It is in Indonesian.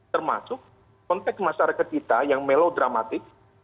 termasuk konteks masyarakat kita yang melodramatik